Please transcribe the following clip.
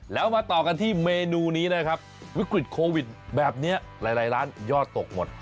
แล้วมาต่อกันที่เมนูนี้นะครับวิกฤตโควิดแบบนี้หลายร้านยอดตกหมด